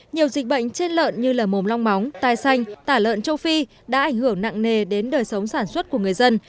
nhiều dịch bệnh trên lợn như lờ mồm long móng tai xanh tả lợn châu phi đã ảnh hưởng nặng nề đến đời sống sản xuất của người dân